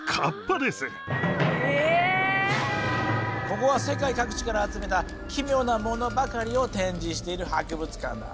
ここは世界各地から集めた奇妙なものばかりを展示している博物館だ。